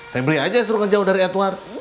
pebri aja yang suruh ngejauh dari edward